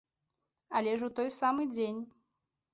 Але ж у той самы дзень.